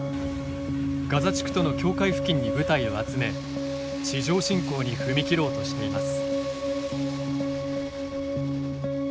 ガザ地区との境界付近に部隊を集め地上侵攻に踏み切ろうとしています。